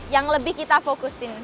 yang lebih kita fokusin